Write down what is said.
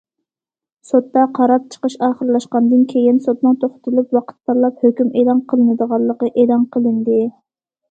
سوتتا قاراپ چىقىش ئاخىرلاشقاندىن كېيىن، سوتنىڭ توختىتىلىپ ۋاقىت تاللاپ ھۆكۈم ئېلان قىلىنىدىغانلىقى ئېلان قىلىندى.